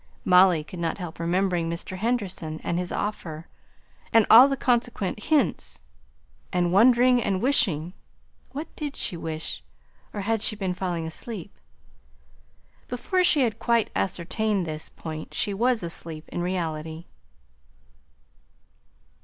Molly could not help remembering Mr. Henderson, and his offer, and all the consequent hints; and wondering, and wishing what did she wish? or had she been falling asleep? Before she had quite ascertained this point she was asleep in reality.